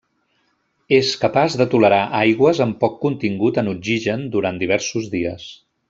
És capaç de tolerar aigües amb poc contingut en oxigen durant diversos dies.